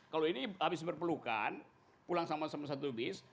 kalau ini habis berpelukan pulang sama sama satu bis